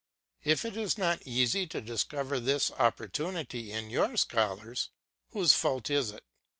If it is not easy to discover this opportunity in your scholars, whose fault is it?